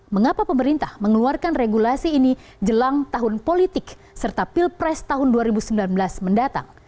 mengapa pemerintah mengeluarkan regulasi ini jelang tahun politik serta pilpres tahun dua ribu sembilan belas mendatang